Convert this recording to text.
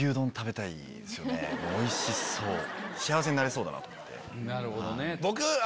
おいしそう。